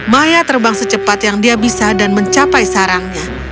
maya terbang secepat yang dia bisa dan mencapai sarangnya